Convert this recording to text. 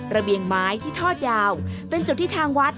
ระเบียงไม้ที่ทอดยาวเป็นจุดที่ทางวัด